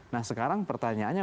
nah sekarang pertanyaannya